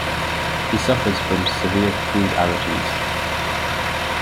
He suffers from severe food allergies.